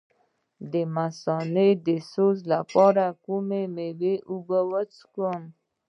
د مثانې د سوزش لپاره د کومې میوې اوبه وڅښم؟